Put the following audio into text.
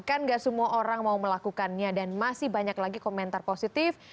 kan gak semua orang mau melakukannya dan masih banyak lagi komentar positif